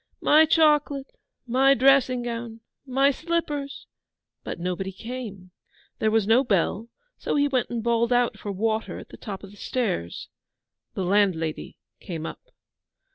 My chocolate my dressing gown my slippers'; but nobody came. There was no bell, so he went and bawled out for water on the top of the stairs. The landlady came up.